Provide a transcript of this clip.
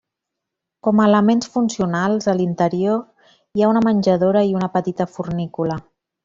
Com a elements funcionals, a l'interior, hi ha una menjadora i una petita fornícula.